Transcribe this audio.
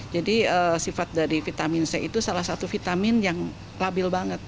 jadi sifat dari vitamin c itu salah satu vitamin yang labil banget